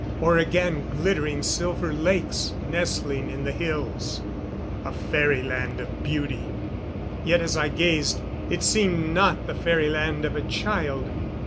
Or again glittering silver lakes nestling in the hills. A fairyland of beauty. Yet as I gazed, it seemed not the fairyland of a child.